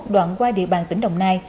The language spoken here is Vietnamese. đoạn qua địa bàn tỉnh đồng nai